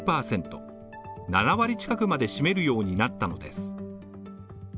７割近くまで占めるようになったのです。